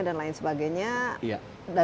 dan lain sebagainya